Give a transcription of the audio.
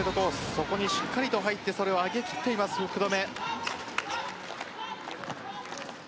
そこにしっかりと入って上げ切っている福留。